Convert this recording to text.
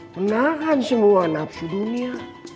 menahan semua nafsu dunia